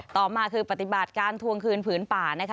ต่อมาคือปฏิบัติการทวงคืนผืนป่านะคะ